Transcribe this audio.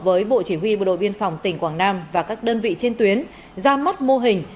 với bộ chỉ huy bộ đội biên phòng tỉnh quảng nam và các đơn vị trên tuyến ra mắt mô hình